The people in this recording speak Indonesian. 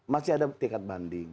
masih ada tiket banding